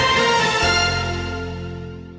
โปรดติดตามตอนต่อไป